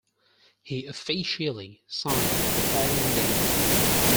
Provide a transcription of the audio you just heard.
He officially signed the following day.